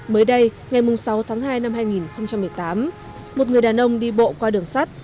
mới đây ngày sáu tháng hai năm hai nghìn một mươi tám một người đàn ông đi bộ qua đường sắt